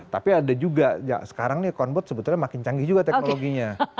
tapi ada juga sekarang nih account sebetulnya makin canggih juga teknologinya